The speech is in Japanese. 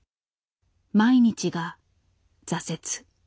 毎日が挫折。